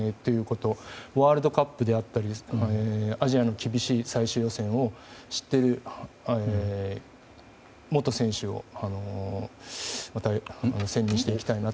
ワールドカップであったりアジアの厳しい最終戦を知っている元選手をまた、選任していきたいなと。